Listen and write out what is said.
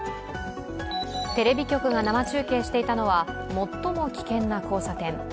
テレビ局が生中継していたのは最も危険な交差点。